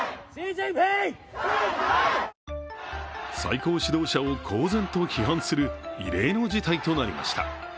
最高指導者を公然と批判する異例の事態となりました。